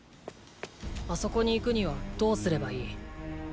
あそこに行くにはどうすればいい？